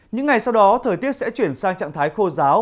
những ngày sau đó thời tiết sẽ chuyển sang trạng thái khô giáo